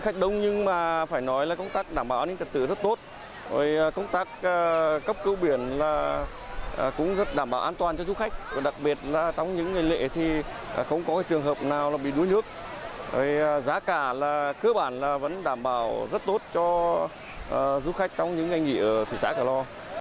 cửa lò có nhiều dịch vụ du lịch không có trường hợp nào bị đuối nước giá cả cơ bản là vẫn đảm bảo rất tốt cho du khách trong những ngành nghị ở thị xã cửa lò